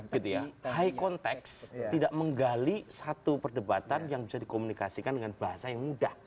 high context tidak menggali satu perdebatan yang bisa dikomunikasikan dengan bahasa yang mudah